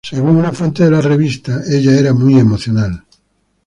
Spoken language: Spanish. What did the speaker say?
Según una fuente de la revista Estados Unidos, "Ella era muy emocional.